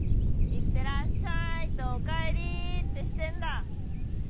「行ってらっしゃい」と「お帰り」ってしてんだ。